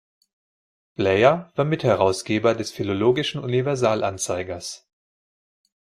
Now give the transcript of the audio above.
Bleyer war Mitherausgeber des "Philologischen Universal-Anzeigers".